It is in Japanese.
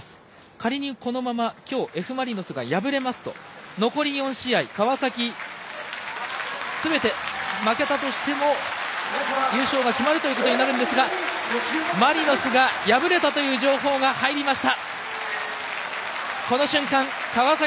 仮に、このままきょうＦ・マリノスが敗れますと残り４試合で川崎がすべて負けたとしても優勝が決まるということになりますがマリノスが敗れたという情報が入りました。